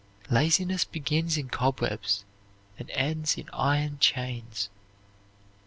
Laziness begins in cobwebs and ends in iron chains.